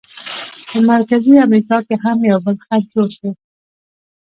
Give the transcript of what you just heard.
په مرکزي امریکا کې هم یو بل خط جوړ شو.